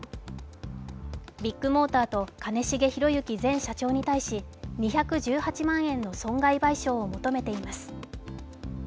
ビッグモーターと兼重宏行前社長に対し２１８万円の損害賠償を求めています。